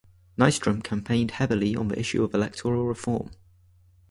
Nystrom campaigned heavily on the issue of electoral reform.